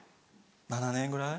７年ぐらい？